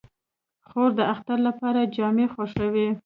خور د اختر لپاره جامې خوښوي.